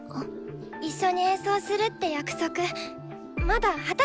一緒に演奏するって約束まだ果たせてないんだよ！？